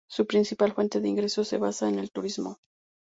Su principal fuente de ingresos se basa en el turismo.